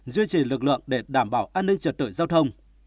duy trì lực lượng để đảm bảo an ninh trật tự giao thông